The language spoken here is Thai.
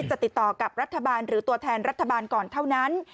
จะติดต่อกับรัฐบาลหรือตัวแทนรัฐบาลก่อนเท่านั้น